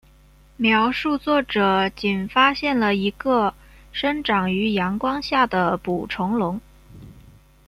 描述作者仅发现了一个生长于阳光下的捕虫笼。